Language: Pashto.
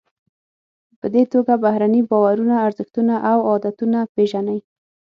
په دې توګه بهرني باورونه، ارزښتونه او عادتونه پیژنئ.